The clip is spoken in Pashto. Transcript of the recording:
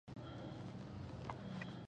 د نوې ټکنالوژۍ کارول د خدماتو کیفیت لوړوي.